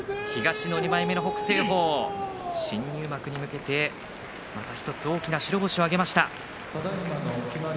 北青鵬、新入幕に向けてまた１つ大きな白星を挙げました。